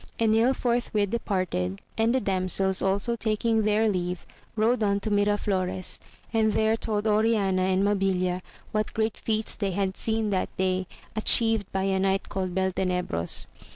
Enil |iprthwith departed, and the damsels also taking their leave, rode on to Mira flores, and there told Oriana and Mabilia what great feats they had seen that day atchieved by a knight called Beltenebros.